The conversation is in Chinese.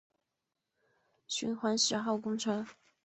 循环十号公车